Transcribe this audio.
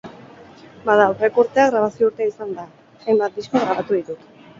Bada, aurreko urtea grabazio urtea izan da, hainbat disko grabatu ditut.